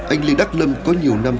anh lê đắc lâm có nhiều năm